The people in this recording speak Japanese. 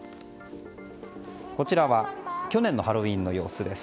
こちらは去年のハロウィーンの様子です。